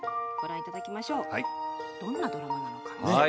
どんなドラマなのか。